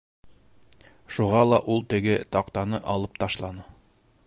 Шуға ла ул теге таҡтаны алып ташланы.